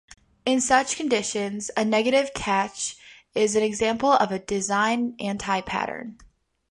In such conditions a negative cache is an example of a design anti-pattern.